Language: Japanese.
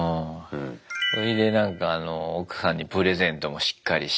そいでなんか奥さんにプレゼントもしっかりして。